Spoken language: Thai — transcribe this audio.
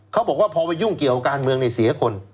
เขาบอกว่าพอไปยุ่งเกี่ยวกับการเมืองในเสียคน